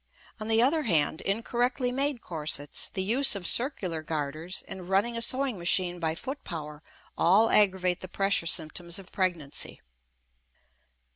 On the other hand, incorrectly made corsets, the use of circular garters, and running a sewing machine by foot power all aggravate the pressure symptoms of pregnancy.